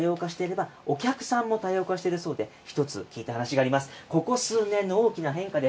制服も多様化していれば、お客さんも多様化しているそうで、一つ聞いた話があります。